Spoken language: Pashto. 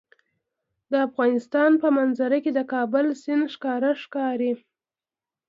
د افغانستان په منظره کې د کابل سیند ښکاره ښکاري.